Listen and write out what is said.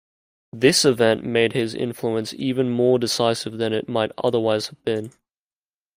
This event made his influence even more decisive than it might otherwise have been.